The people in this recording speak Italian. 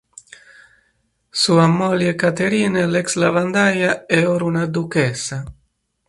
Sua moglie Catherine, l'ex lavandaia, è ora una duchessa.